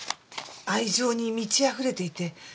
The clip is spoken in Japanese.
愛情に満ちあふれていて。